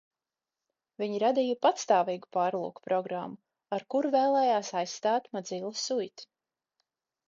Viņi radīja patstāvīgu pārlūkprogrammu, ar kuru vēlējās aizstāt Mozilla Suite.